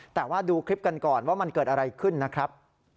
แต่ว่าดูคลิปกันก่อนว่ามันเกิดอะไรขึ้นนะครับ